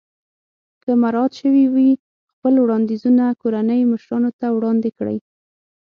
که مراعات شوي وي خپل وړاندیزونه کورنۍ مشرانو ته وړاندې کړئ.